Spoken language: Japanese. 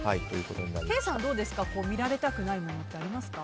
ケイさん、どうですか見られたくないものってありますか？